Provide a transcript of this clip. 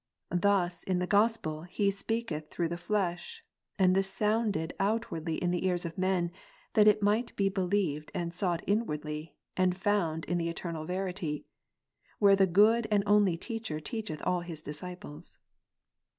Thus in ^?*'",^' the Gospel He speaketh through the flesh; and this sounded vers. outwardly in the ears of men ; that it might be believed and sought inwardly, and found in the eternal Verity ; where the good and only Master teacheth all His disciples.